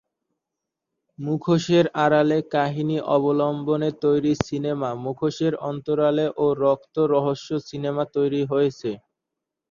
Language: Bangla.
মুখোশের আড়ালে কাহিনী অবলম্বনে তৈরি সিনেমা মুখোশের অন্তরালে ও রক্ত রহস্য সিনেমা তৈরি হয়েছে।